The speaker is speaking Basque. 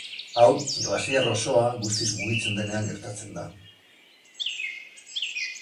Hau glaziar osoa guztiz mugitzen denean gertatzen da.